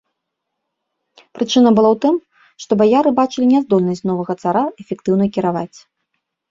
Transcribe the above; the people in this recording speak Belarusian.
Прычына была ў тым, што баяры бачылі няздольнасць новага цара эфектыўна кіраваць.